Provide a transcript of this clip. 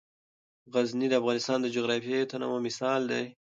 غزني د افغانستان د جغرافیوي تنوع مثال دی.